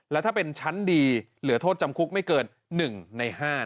แล้วถ้าเป็นชั้นดีเหลือโทษจำคุกไม่เกิน๑ใน๕